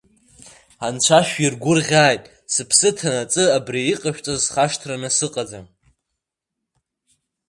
Анцәа шәиргәырӷьааит, сыԥсы ҭанаҵы абри иҟашәҵаз схашҭраны сыҟам.